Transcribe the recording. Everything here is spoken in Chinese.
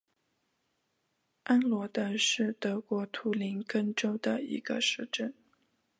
安罗德是德国图林根州的一个市镇。